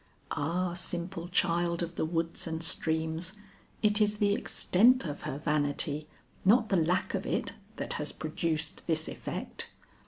Ah simple child of the woods and streams, it is the extent of her vanity not the lack of it, that has produced this effect.